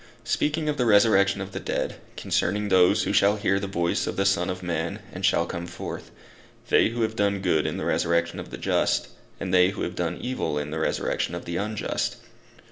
Speaking of the resurrection of the dead, concerning those who shall hear the voice of the Son of man, and shall come forth; they who have done good in the resurrection of the just, and they who have done evil in the resurrection of the unjust.